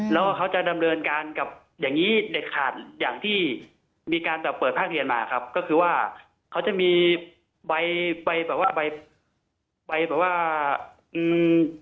แล้วเขาจะดำเนินการกับอย่างงี้เด็ดขาดอย่างที่มีการแบบเปิดภาคเรียนมาครับก็คือว่าเขาจะมีใบไปแบบว่าใบไปใบแบบว่าอืม